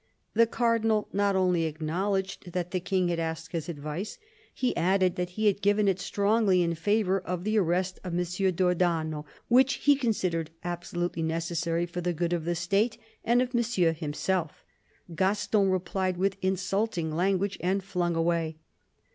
The Cardinal not only acknowledged that the King had asked his advice ; he added that he had given it strongly in favour of the arrest of M. d'Ornano, which he considered absolutely necessary for the good of the State and of Monsieur himself Gaston replied with insulting language and flung away.